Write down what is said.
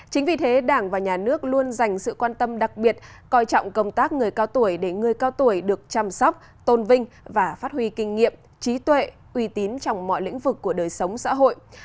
chính vì thế đảng và nhà nước luôn dành sự quan tâm đặc biệt coi trọng công tác người cao tuổi để người cao tuổi được chăm sóc tôn vinh và phát huy kinh nghiệm trí tuệ uy tín trong mọi lĩnh vực của đời sống xã hội